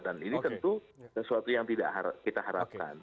dan ini tentu sesuatu yang tidak kita harapkan